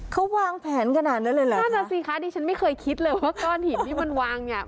เขาวางแผนขนาดนั้นเลยเหรอน่าจะสิคะดิฉันไม่เคยคิดเลยว่าก้อนหินที่มันวางเนี่ย